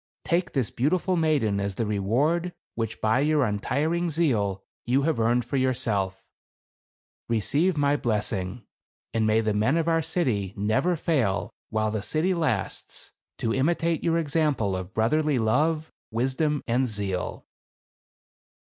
Take this beautiful mai den as the reward which by your untiring zeal you have earned for yourself. Receive my blessing; and may the men of our city never fail, while the city lasts, to imitate your example of brotherly love, wisdom and zeal."